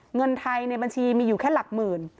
เงินไทยในบัญชีมีอยู่แค่หลักหมื่น